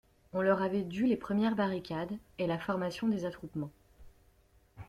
On leur avait dû les premières barricades, et la formation des attroupements.